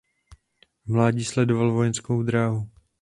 V mládí sledoval vojenskou dráhu.